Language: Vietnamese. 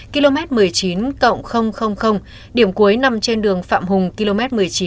km một mươi chín điểm cuối nằm trên đường phạm hùng km một mươi chín bảy trăm linh